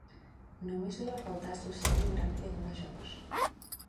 Només li va faltar associar-hi un gran creador de jocs.